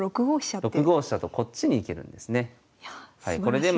６五飛車とこっちに行けるんですね。